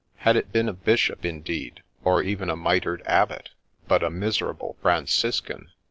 Had it been a Bishop, indeed, or even a mitred Abbot, — but a miserable Franciscan